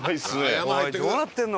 どうなってるの？